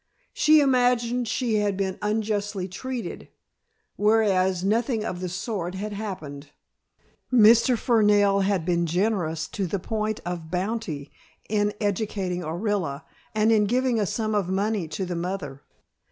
She imagined she had been unjustly treated, whereas nothing of the sort had happened. Mr. Fernell had been generous to the point of bounty in educating Orilla and in giving a sum of money to the mother.